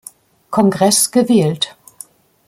Kongress gewählt.